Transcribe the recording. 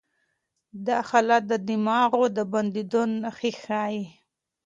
دا حالت د دماغ د بندېدو نښې ښيي.